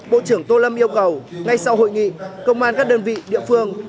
bộ trưởng tô lâm yêu cầu ngay sau hội nghị công an các đơn vị địa phương